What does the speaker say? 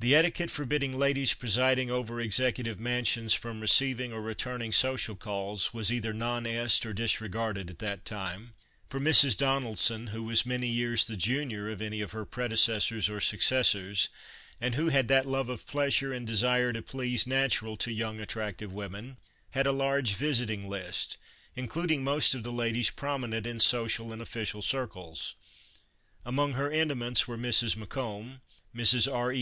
The etiquette forbidding ladies presiding over Executive Mansions from receiving or returning 36 m the White House in Old Hickory's Dav social calls was either non est or disregarded at that time, for Mrs. Donelson, who was many years the junior of any of her predecessors or successors, and who had that love of pleasure and desire to please natural to young, attractive women, had a large visiting list, including most of the ladies prominent in social and official circles. Among her intimates were Mrs. Macomb, Mrs. R. E.